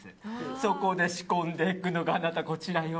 そこで仕込んでいくのがこちらよ。